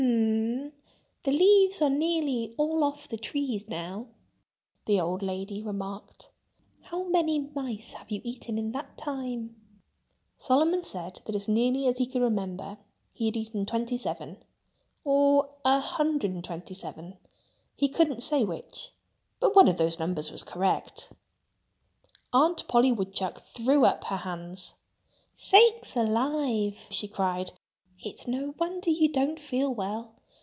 "H m—the leaves are nearly all off the trees now," the old lady remarked. "How many mice have you eaten in that time?" Solomon said that as nearly as he could remember he had eaten twenty seven—or a hundred and twenty seven. He couldn't say which—but one of those numbers was correct. Aunt Polly Woodchuck threw up her hands. "Sakes alive!" she cried. "It's no wonder you don't feel well!